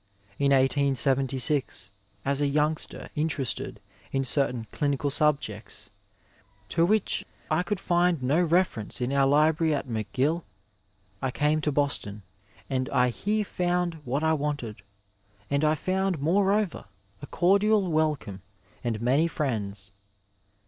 In 1876 as a youngster interested in certain clinical subjects to which I could find no reference in our library at McGill, I came to Boston, and I here found what I wanted, and I found moreover a cordial welcome and many friends.